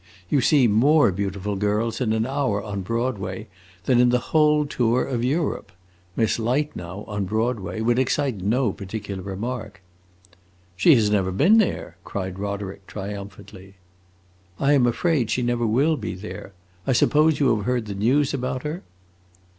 You see more beautiful girls in an hour on Broadway than in the whole tour of Europe. Miss Light, now, on Broadway, would excite no particular remark." "She has never been there!" cried Roderick, triumphantly. "I 'm afraid she never will be there. I suppose you have heard the news about her."